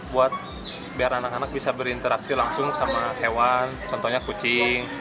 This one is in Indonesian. buat biar anak anak bisa berinteraksi langsung sama hewan contohnya kucing